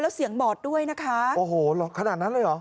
แล้วเสียงบอดด้วยนะคะขนาดนั้นเลยเหรอโอโห